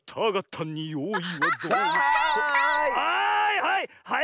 はいはい！